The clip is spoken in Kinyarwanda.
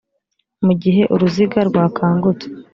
mu gihe uruziga rwakangutse